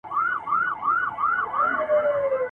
سبا اختر دی خو د چا اختر دی ,